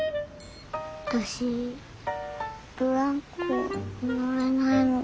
私ブランコ乗れないの。